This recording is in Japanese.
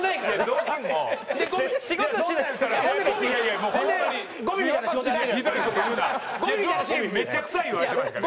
ぞうきんめっちゃくさい言われてますからね。